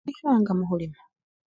Nikhanga mukhulima.